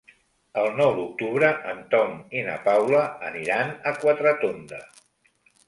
El nou d'octubre en Tom i na Paula aniran a Quatretonda.